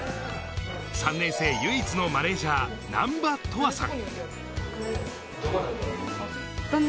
３年生唯一のマネージャー・難波都羽さん。